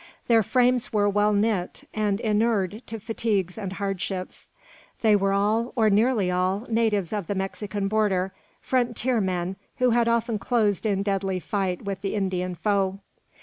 Their frames were well knit, and inured to fatigues and hardships. They were all, or nearly all, natives of the Mexican border, frontier men, who had often closed in deadly fight with the Indian foe.